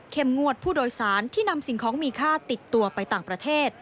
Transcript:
งวดผู้โดยสารที่นำสิ่งของมีค่าติดตัวไปต่างประเทศ